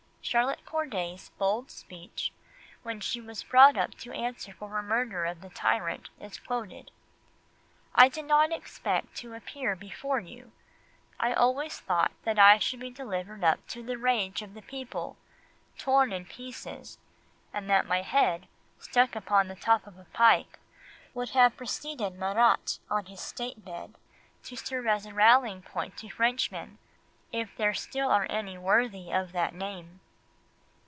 Charlotte Corday's bold speech, when she was brought up to answer for her murder of the tyrant, is quoted: "I did not expect to appear before you; I always thought that I should be delivered up to the rage of the people, torn in pieces, and that my head, stuck upon the top of a pike, would have preceded Marat on his state bed to serve as a rallying point to Frenchmen, if there still are any worthy of that name."